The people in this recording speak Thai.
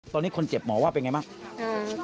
ตอนนี้คนเจ็บหมอว่าเป็นอย่างไรมั้ง